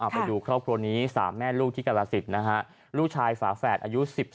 ไปดูครอบครัวนี้๓แม่ลูกที่กรสิทธิ์นะฮะลูกชายฝาแฝดอายุ๑๓